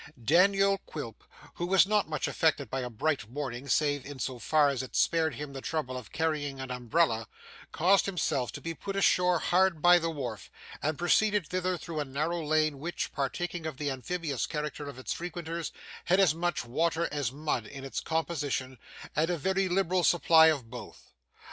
Daniel Quilp, who was not much affected by a bright morning save in so far as it spared him the trouble of carrying an umbrella, caused himself to be put ashore hard by the wharf, and proceeded thither through a narrow lane which, partaking of the amphibious character of its frequenters, had as much water as mud in its composition, and a very liberal supply of both.